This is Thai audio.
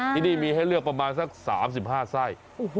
ที่นี่มีให้เลือกประมาณสัก๓๕ไส้